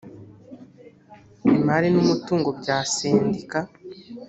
imari n umutungo bya sendika